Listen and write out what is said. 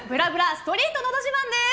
ストリートのど自慢です。